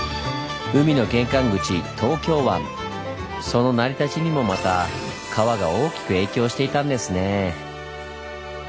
その成り立ちにもまた川が大きく影響していたんですねぇ。